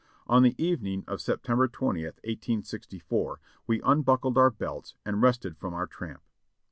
On the evening of September twentieth, 1864, we unbuckled our belts and rested from our tramp.